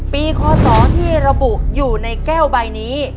คศที่ระบุอยู่ในแก้วใบนี้